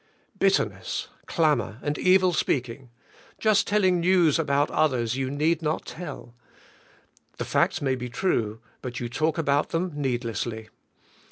Bitterness, clamor, and evil speaking, just telling news about others you need not tell; the facts ma} be true but you talk about them needlesslv.